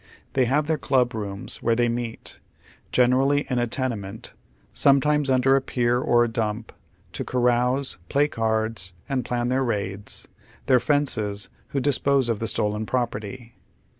They have their "ehib rooms" where they meet, generally in a tenement, some times under a pier or a dump, to carouse, play cards, and plan their raids ; their " fences," who dispose of the stolen property.